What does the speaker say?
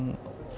hai ke depan